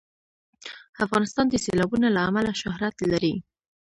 افغانستان د سیلابونه له امله شهرت لري.